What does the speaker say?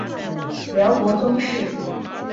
辽国宗室。